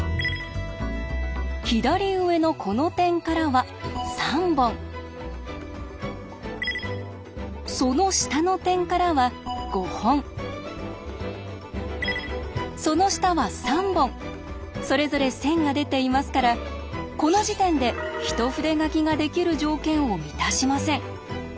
左上のこの点からは３本その下の点からは５本その下は３本それぞれ線が出ていますからこの時点で一筆書きができる条件を満たしません。